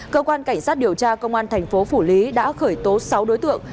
cơ quan cảnh sát điều tra công an thành phố phủ lý đã khởi tố sáu đối tượng